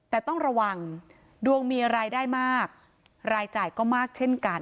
แต่ต้องระวังดวงมีรายได้มากรายจ่ายก็มากเช่นกัน